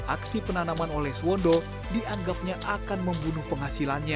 aksi penanaman oleh suwondo dianggapnya akan membunuh penghasilannya